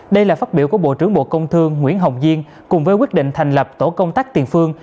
đây là phát biểu của bộ trưởng bộ công thương nguyễn hồng diên cùng với quyết định thành lập tổ công tác tiền phương